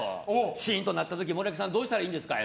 シーンとなった時、森脇さんどうしたらいいんですか。